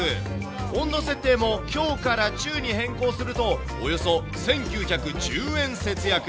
温度設定も強から中に変更すると、およそ１９１０円節約。